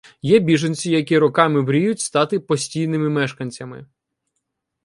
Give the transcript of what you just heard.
Є біженці, які роками мріють стати «постійними мешканцями»